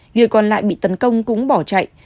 người còn lại bị tấn công cũng bỏ chạy